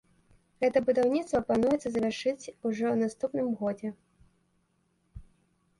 Гэта будаўніцтва плануецца завяршыць ужо ў наступным годзе.